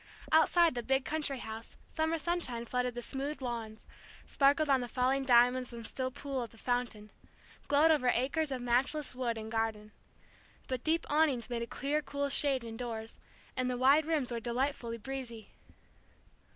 Outside the big country house summer sunshine flooded the smooth lawns, sparkled on the falling diamonds and still pool of the fountain, glowed over acres of matchless wood and garden. But deep awnings made a clear cool shade indoors, and the wide rooms were delightfully breezy.